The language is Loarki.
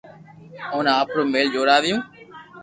اوني آپرو مھل جوراويو